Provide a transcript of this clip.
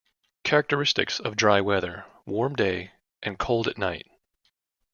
Characteristics of dry weather, warm day and cold at night.